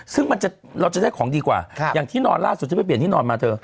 ซึ่งเราจะได้ของดีกว่าอย่างที่นอนล่าสุดที่ไปเปลี่ยนที่นอนมาเธอ